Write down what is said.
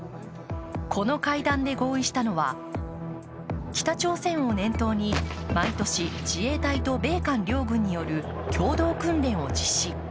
この会談で合意したのは北朝鮮を念頭に、毎年、自衛隊と米韓両軍による共同訓練を実施。